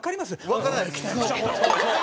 わからないです。